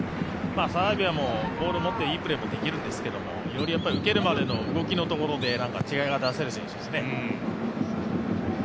サラビアもボールを持っていいプレーができるんですけどより受けるまでの動きのところで違いが出せる選手ですね。